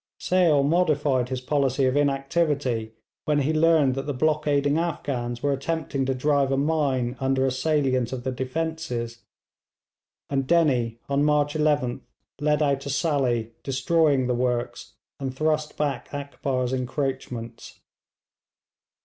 Sale modified his policy of inactivity when he learned that the blockading Afghans were attempting to drive a mine under a salient of the defences, and Dennie on March 11th led out a sally, destroyed the works, and thrust back Akbar's encroachments.